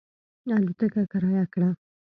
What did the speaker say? الوتکه کرایه کړه.